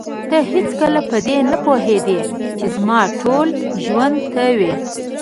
ته هېڅکله په دې نه پوهېدې چې زما ټول ژوند ته وې.